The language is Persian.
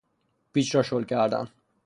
پیچ را شل کردن